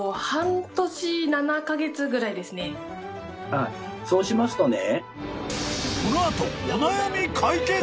あっそうしますとね。